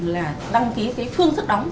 là đăng ký cái phương thức đóng